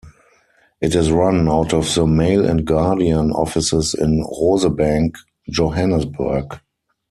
It is run out of the "Mail and Guardian" offices in Rosebank, Johannesburg.